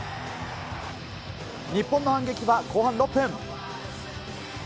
日本の反撃は後半６分。